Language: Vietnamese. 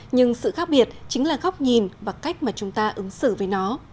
nhưng sự khác biệt chính là góc nhìn và cách mà chúng ta ứng xử với nó